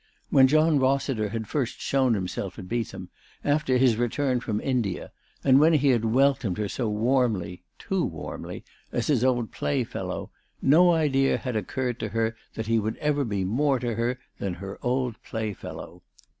When John Rossiter had first shown himself at Beetham, after his return from India, and when he had welcomed her so warmly, too warmly, as his old playfellow, no idea had occurred to her that he would ever be more to her than her old playfellow.